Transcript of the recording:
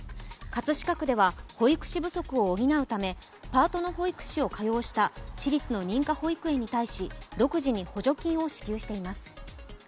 葛飾区では保育士不足を補うため、パートの保育士を雇用した市立の認可保育園に対し独自に補助金を支給しています。